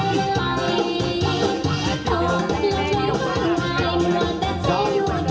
มาเสียสักคำว่าจะเอาไหล่เข้าไหล่